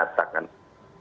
terlepas ya nantinya